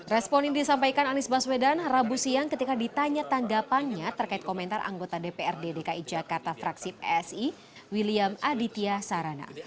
respon ini disampaikan anies baswedan rabu siang ketika ditanya tanggapannya terkait komentar anggota dprd dki jakarta fraksi psi william aditya sarana